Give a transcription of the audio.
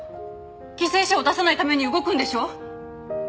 犠牲者を出さないために動くんでしょ！